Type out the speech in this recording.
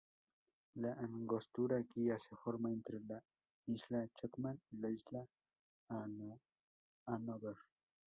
La angostura Guía se forma entre la isla Chatham y la isla Hanover.